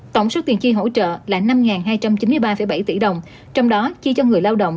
tổng số tiền chi hỗ trợ là năm hai trăm chín mươi ba bảy tỷ đồng trong đó chi cho người lao động